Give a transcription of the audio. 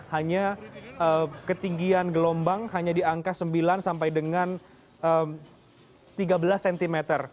hanya ketinggian gelombang hanya di angka sembilan sampai dengan tiga belas cm